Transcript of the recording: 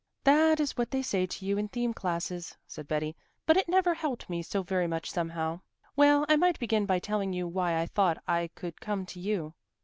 "That is what they say to you in theme classes," said Betty, "but it never helped me so very much, somehow. Well, I might begin by telling you why I thought I could come to you."